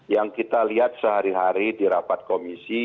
yang kita lihat sehari hari di rapat komisi